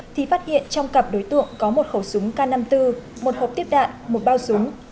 thì phát hiện trong cặp đối tượng có một khẩu súng k năm mươi bốn một hộp tiếp đạn một bao súng